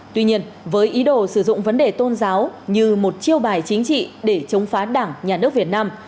tuy nhiên với ý đồ sử dụng vấn đề tôn giáo như một chiêu bài chính trị để chống phá đảng nhà nước việt nam